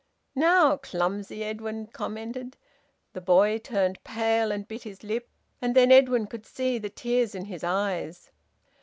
"Now, clumsy!" Edwin commented. The boy turned pale, and bit his lip, and then Edwin could see the tears in his eyes.